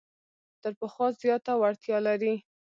تر پخوا زیاته وړتیا لري.